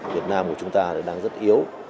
việt nam của chúng ta đang rất yếu